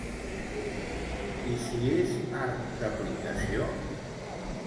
I si és art d'aplicació?